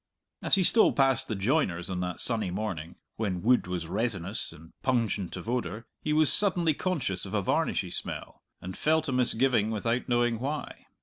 As he stole past the joiner's on that sunny morning, when wood was resinous and pungent of odour, he was suddenly conscious of a varnishy smell, and felt a misgiving without knowing why.